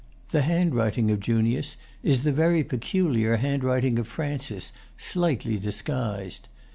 The handwriting of Junius is the very peculiar handwriting of Francis, slightly disguised.